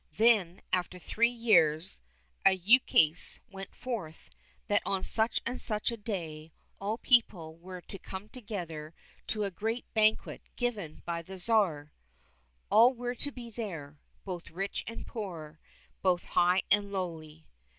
Then, after three years, a ukase went forth that on such and such a day all the people were to come together to a great banquet given by the Tsar, all were to be there, both rich and poor, both high and lowly.